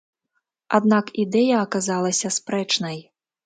Аднак ідэя аказалася спрэчнай.